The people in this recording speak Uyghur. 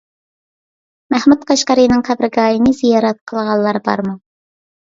مەھمۇد قەشقەرىنىڭ قەبرىگاھىنى زىيارەت قىلغانلار بارمۇ؟